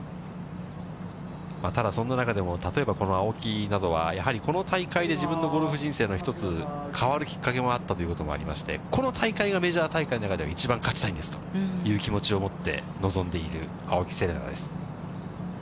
ただそんな中でも、例えばこの青木などは、やはりこの大会で自分のゴルフ人生の一つ、変わるきっかけもあったということもありまして、この大会がメジャー大会の中では一番勝ちたいんですという気持ちを持って臨んでいる青木瀬令奈です。